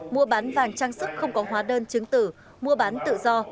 mua bán vàng trang sức không có hóa đơn chứng tử mua bán tự do